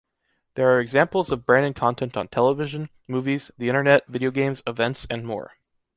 There are examples of branded content on television, movies, the Internet, videogames, events and more.